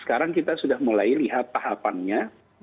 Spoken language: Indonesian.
sekarang kita sudah mulai lihat tahapannya